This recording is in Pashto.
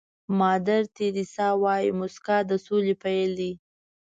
مادر تیریسا وایي موسکا د سولې پيل دی.